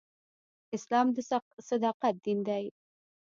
اسلام د صداقت دین دی.